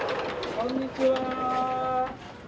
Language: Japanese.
こんにちは。